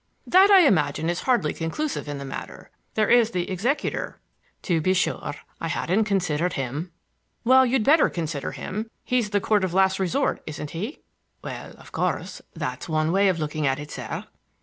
"That, I imagine, is hardly conclusive in the matter. There is the executor—" "To be sure; I hadn't considered him." "Well, you'd better consider him. He's the court of last resort, isn't he?" "Well, of course, that's one way of looking at it, sir.